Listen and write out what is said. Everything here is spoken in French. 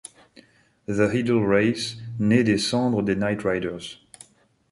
The Idle Race naît des cendres des Nightriders.